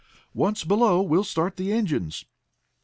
Once below we'll start the engines."